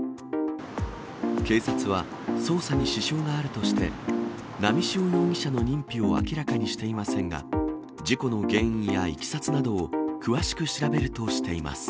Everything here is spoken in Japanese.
警察は捜査に支障があるとして、波汐容疑者の認否を明らかにしていませんが、事故の原因やいきさつなどを詳しく調べるとしています。